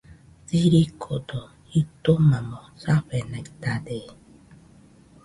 Sirikodo jitomamo safenaitade.